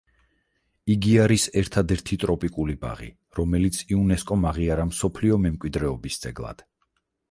იგი არის ერთადერთი ტროპიკული ბაღი, რომელიც იუნესკომ აღიარა მსოფლიო მემკვიდრეობის ძეგლად.